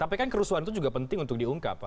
tapi kan kerusuhan itu juga penting untuk diungkap pak